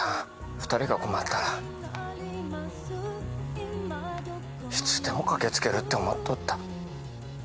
２人が困ったら、いつでも駆けつけるって思っとった。